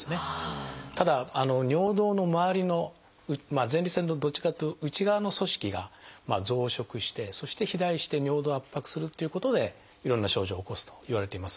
ただ尿道のまわりの前立腺のどっちかっていうと内側の組織が増殖してそして肥大して尿道を圧迫するっていうことでいろんな症状を起こすといわれています。